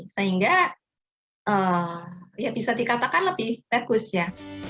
sehingga ya bisa dikatakan lebih bagus ya